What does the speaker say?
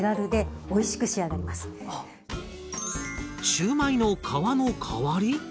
シューマイの皮の代わり？